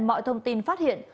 mọi thông tin phát hiện